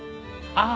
ああ。